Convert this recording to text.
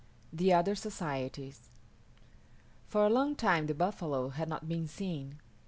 THE OTHER SOCIETIES For a long time the buffalo had not been seen.